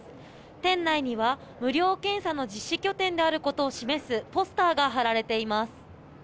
店内には無料検査の実施拠点であることを示すポスターが貼られています。